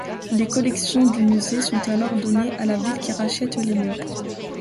Les collections du musée sont alors données à la ville qui rachète les murs.